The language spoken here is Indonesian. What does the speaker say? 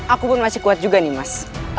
aku pun masih kuat juga nih mas